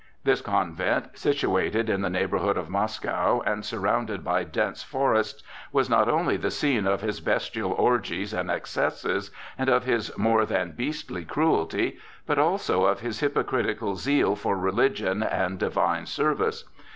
This convent, situated in the neighborhood of Moscow, and surrounded by dense forests, was not only the scene of his bestial orgies and excesses, and of his more than beastly cruelty, but also of his hypocritical zeal for religion and divine service.